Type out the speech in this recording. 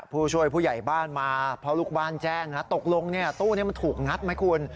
ผู้ช่วยผู้ใหญ่บ้านมาเพราะลูกบ้านแจ้งตกลงตู้นี้มันถูกงัดไหมคุณ